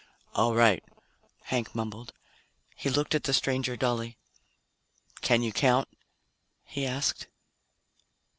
"All right," Hank mumbled. He looked at the stranger dully. "Can you count?" he asked.